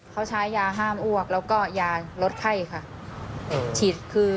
เขาใช้ยาห้ามอ้วกแล้วก็ยาลดไข้ค่ะ